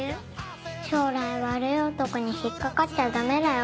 将来悪い男に引っかかったらダメだよ。